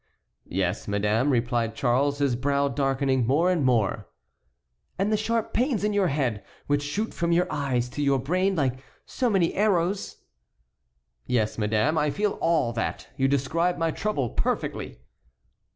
"Yes, madame," replied Charles, his brow darkening more and more. "And the sharp pains in your head, which shoot from your eyes to your brain like so many arrows?" "Yes, madame. I feel all that. You describe my trouble perfectly!"